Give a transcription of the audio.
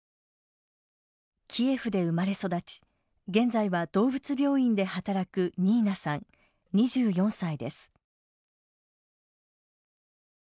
キエフで生まれ育ち現在は動物病院で働くニーナさん、２４歳です。